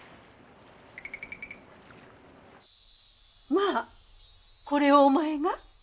まあこれをお前が？